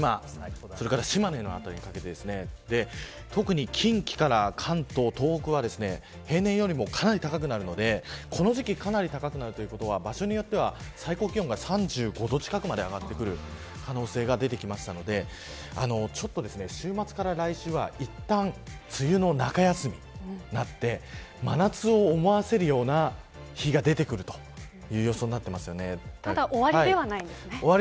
それから島根の辺りにかけて特に近畿から関東、東北は平年よりもかなり高くなるのでこの時期かなり高くなるということは場所によって最高気温が３５度近くまで上がってくる可能性が出てきましたので週末から来週はいったん梅雨の中休みになって真夏を思わせるような日が出てくるというただ終わりではないんですね。